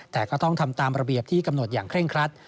แต่ก็ต้องทำตามระเบียบที่กำหนดอย่างเคร่งครัด